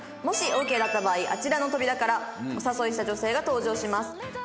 もしオーケーだった場合あちらの扉からお誘いした女性が登場します。